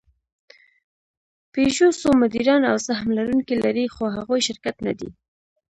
پيژو څو مدیران او سهم لرونکي لري؛ خو هغوی شرکت نهدي.